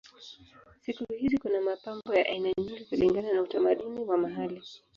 Siku hizi kuna mapambo ya aina nyingi kulingana na utamaduni wa mahali.